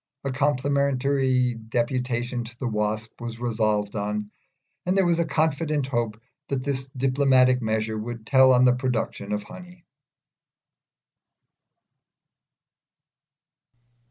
A complimentary deputation to the Wasp was resolved on, and there was a confident hope that this diplomatic measure would tell on the production of honey.